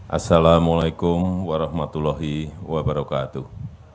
assalamu'alaikum warahmatullahi wabarakatuh